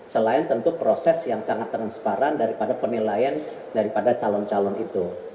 selain tentu proses yang sangat transparan daripada penilaian daripada calon calon itu